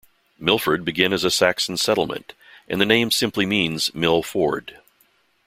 Milford began as a Saxon settlement, and the name simply means "mill ford".